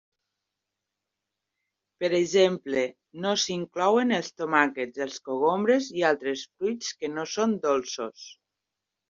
Per exemple, no s'inclouen els tomàquets, els cogombres i altres fruits que no són dolços.